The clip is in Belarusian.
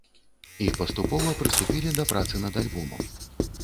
І паступова прыступілі да працы над альбомам.